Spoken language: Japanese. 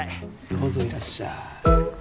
どうぞいらっしゃい。